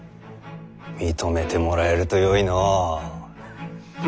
認めてもらえるとよいのう。